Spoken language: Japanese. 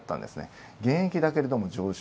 減益だけれども上昇。